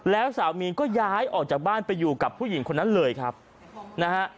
แล้วสามีก็ย้ายออกจากบ้านไปอยู่กับผู้หญิงคนนั้นเลยครับนะฮะ